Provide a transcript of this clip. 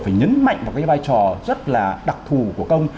phải nhấn mạnh vào cái vai trò rất là đặc thù của công